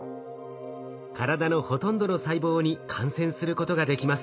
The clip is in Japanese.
体のほとんどの細胞に感染することができます。